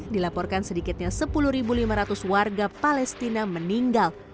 dilaporkan sedikitnya sepuluh lima ratus warga palestina meninggal